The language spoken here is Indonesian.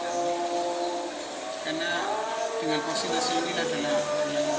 karena dengan vaksinasi ini adalah yang bisa kita mulai lebih efektif